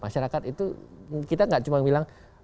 masyarakat itu kita gak cuma bilang